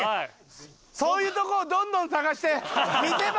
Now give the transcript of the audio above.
そういうとこをどんどん探して見せ場を。